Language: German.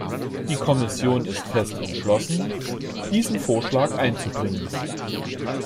Die Kommission ist fest entschlossen, diesen Vorschlag einzubringen.